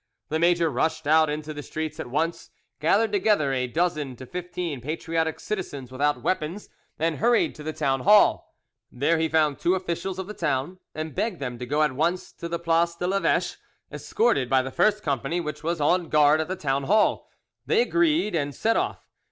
The major rushed out into the streets at once, gathered together a dozen to fifteen patriotic citizens without weapons, and hurried to the town hall: There he found two officials of the town, and begged them to go at once to the place de l'Eveche, escorted by the first company, which was on guard at the town hall. They agreed, and set off.